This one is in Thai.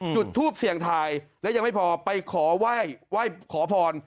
จุดทูปเสี่ยงทายและยังไม่พอไปขอไหว้ขอพร